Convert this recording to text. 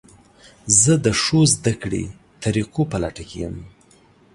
زه د ښو زده کړې طریقو په لټه کې یم.